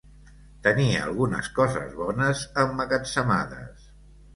Tenia algunes coses bones emmagatzemades.